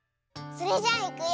それじゃあいくよ。